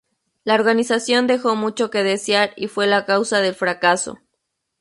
La organización dejó mucho que desear y fue la causa del fracaso.